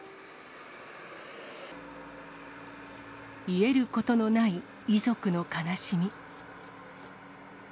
癒えることのない遺族の悲しみ。